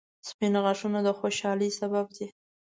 • سپین غاښونه د خوشحالۍ سبب دي